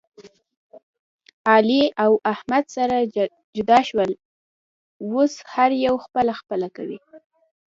علي او احمد سره جدا شول. اوس هر یو خپله خپله کوي.